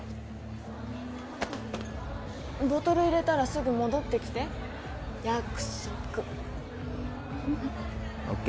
ボトル入れたらすぐ戻ってきて約束ＯＫ